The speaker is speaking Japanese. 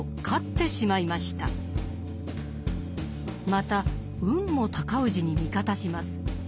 また運も尊氏に味方します。